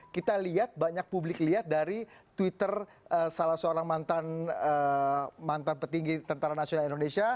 kita lihat banyak publik lihat dari twitter salah seorang mantan petinggi tentara nasional indonesia